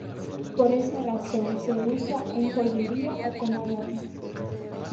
Por esa razón se usa en joyería o como adorno.